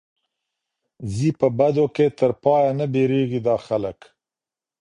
ځي په بدو کي تر پايه نه بېرېږي دا خلک